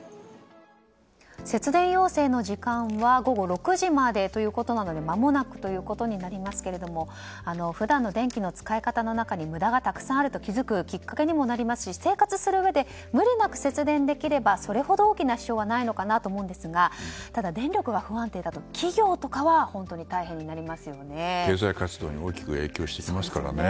節電要請の時間は午後６時までということなのでまもなくということになりますが普段の電気の使い方の中に無駄がたくさんあると気づくきっかけにもなりますし生活するうえで無理なく節電できればそれほど大きな支障はないのかなと思うんですがただ、電力が不安定だと企業とかは、本当に経済活動に大きく影響してきますからね。